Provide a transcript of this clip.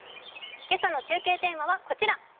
今朝の中継テーマはこちら。